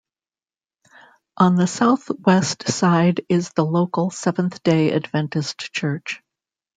On the southwest side is the local Seventh-day Adventist Church.